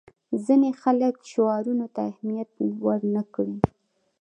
ځینې خلک شعارونو ته اهمیت ورنه کړي.